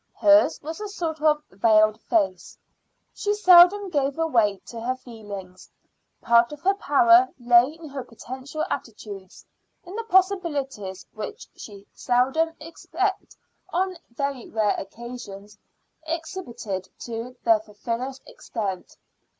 Hers was a sort of veiled face; she seldom gave way to her feelings. Part of her power lay in her potential attitudes, in the possibilities which she seldom, except on very rare occasions, exhibited to their fullest extent.